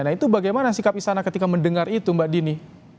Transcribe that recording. nah itu bagaimana sikap istana ketika mendengar itu mbak dini